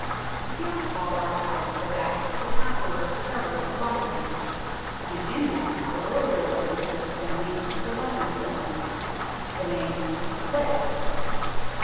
The Guildhall archives go back to the Con queror's charter to London, and in them are earlier references than these to London Stone the name, the place.